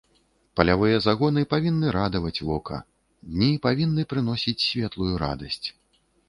Палявыя загоны павінны радаваць вока, дні павінны прыносіць светлую радасць.